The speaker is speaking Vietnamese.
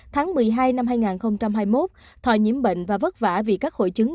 tháng một mươi hai năm hai nghìn hai mươi một thòi nhiễm bệnh và vất vả vì các hội chứng